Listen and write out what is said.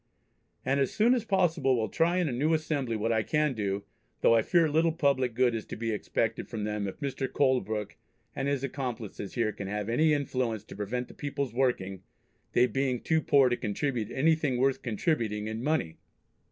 And as soon as possible will try in a new Assembly what I can do, though I fear little public good is to be expected from them if Mr. Colebrooke and his accomplices here can have any influence to prevent the peoples working, they being too poor to contribute anything worth contributing in money."